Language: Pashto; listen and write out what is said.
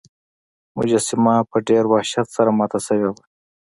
مجسمه په ډیر وحشت سره ماته شوې وه.